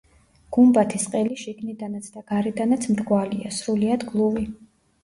გუმბათის ყელი შიგნიდანაც და გარედანაც მრგვალია, სრულიად გლუვი.